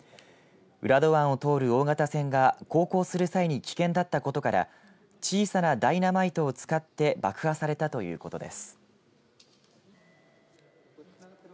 浦戸湾を通る大型船が航行する際に危険だったことから小さなダイナマイトを使って爆破されたということです。